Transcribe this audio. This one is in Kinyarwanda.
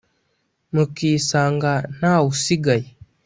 Mukisanga ntaw' usigaye.